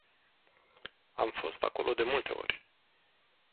Am fost acolo de multe ori.